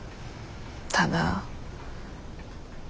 ただ。